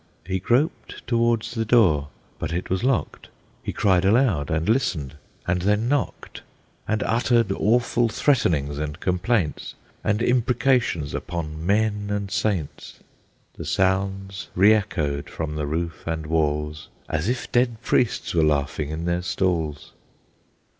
He groped towards the door, but it was locked; He cried aloud, and listened, and then knocked, And uttered awful threatenings and complaints, And imprecations upon men and saints. The sounds re echoed from the roof and walls As if dead priests were laughing in their stalls!